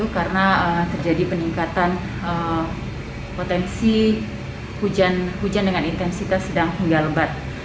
karena terjadi peningkatan potensi hujan dengan intensitas sedang hingga lebat